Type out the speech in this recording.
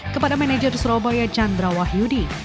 kepada manajer surabaya chandra wahyudi